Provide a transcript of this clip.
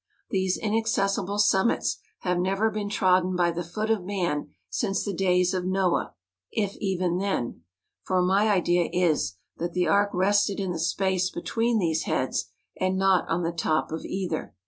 .. These inaccessible summits have never been trodden by the foot of man since the days of Noah, if even then ; for my idea is, that the ark rested in the space be¬ tween these heads, and not on the top of either.